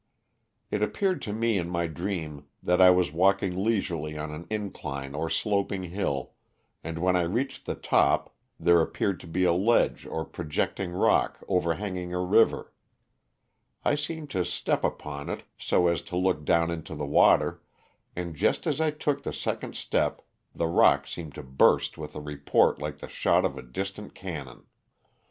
It appeared to me in my dream that I was walking leisurely on an incline or sloping hill, and when I reached the top there appeared to be a ledge or projecting rock over hanging a river; I seemed to step upon it so as to look down into the water, and just as I took the second step the rock seemed to burst with a report like the shot of a distant cannon.